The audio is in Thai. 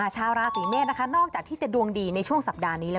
ชาวราศีเมษนะคะนอกจากที่จะดวงดีในช่วงสัปดาห์นี้แล้ว